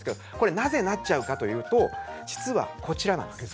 なぜ、なってしまうかというと実はこちらです。